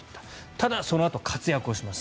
ただ、そのあと活躍をします。